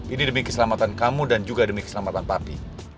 ini demi keselamatan kamu dan juga demi keselamatan pati